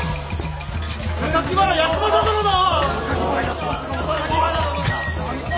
原康政殿だ！